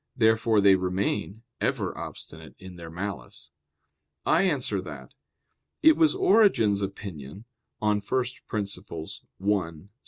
Therefore they remain ever obstinate in their malice. I answer that, It was Origen's opinion [*Peri Archon i.